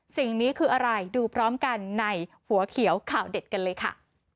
สิ่งนี้คืออะไรดูพร้อมกันในหัวเขียวข่าวเด็ดกันเลยค่ะ